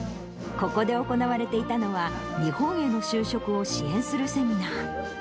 ここで行われていたのは、日本への就職を支援するセミナー。